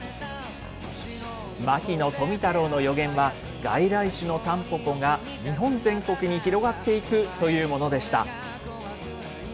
牧野富太郎の予言は、外来種のタンポポが日本全国に広がっていくというものでした。